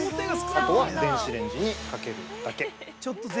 あとは電子レンジにかけるだけ。